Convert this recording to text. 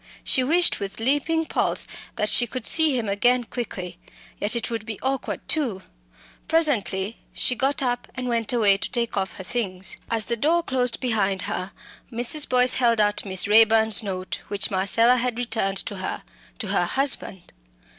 She wished with leaping pulse that she could see him again quickly. Yet it would be awkward too. Presently she got up and went away to take off her things. As the door closed behind her, Mrs. Boyce held out Miss Raeburn's note, which Marcella had returned to her, to her husband.